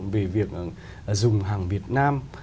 về việc dùng hàng việt nam